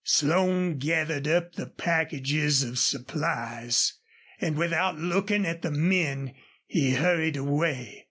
Slone gathered up the packages of supplies, and without looking at the men he hurried away.